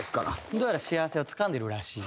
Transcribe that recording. どうやら幸せはつかんでいるらしい。